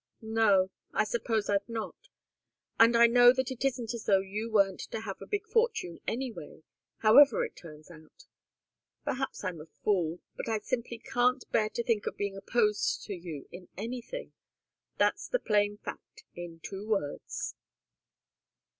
"No. I suppose I've not. And I know that it isn't as though you weren't to have a big fortune anyway, however it turns out. Perhaps I'm a fool, but I simply can't bear to think of being opposed to you in anything. That's the plain fact, in two words."